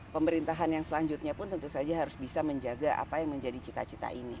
pemerintahan yang selanjutnya pun tentu saja harus bisa menjaga apa yang menjadi cita cita ini